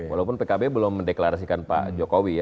walaupun pkb belum mendeklarasikan pak jokowi ya